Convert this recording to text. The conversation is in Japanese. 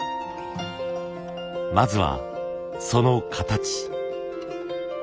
まずはその形。